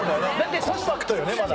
コンパクトよねまだ。